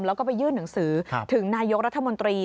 แล้วก็ไปยื่นหนังสือถึงนายกรัฐมนตรี